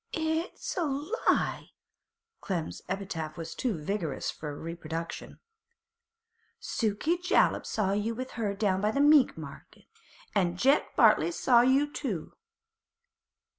'It's a —— lie!' Clem's epithet was too vigorous for reproduction. 'Sukey Jollop saw you with her down by the meat market, an' Jeck Bartley saw you too.